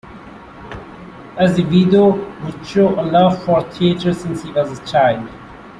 Azevedo would show a love for theatre since he was a child.